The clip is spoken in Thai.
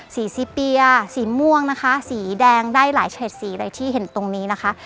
ซีซีเปียสีม่วงนะคะสีแดงได้หลายเฉดสีเลยที่เห็นตรงนี้นะคะ